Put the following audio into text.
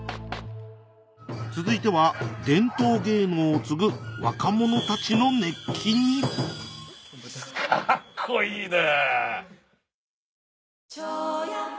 続いては伝統芸能を継ぐ若者たちの熱気にカッコいいね！